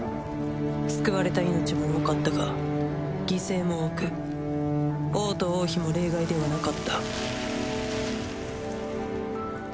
救われた命も多かったが犠牲も多く王と王妃も例外ではなかった。